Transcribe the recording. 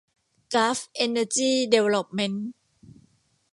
กัลฟ์ เอ็นเนอร์จี ดีเวลลอปเมนท์